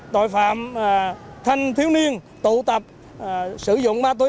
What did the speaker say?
tội phạm thanh thiếu niên tụ tập sử dụng ma túy